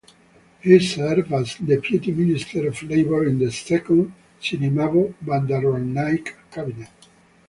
He served as Deputy Minister of Labour in the Second Sirimavo Bandaranaike cabinet.